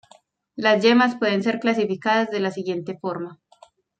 Las yemas pueden ser clasificadas de la siguiente forma